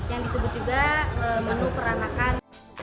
yang disebut juga menu peranakan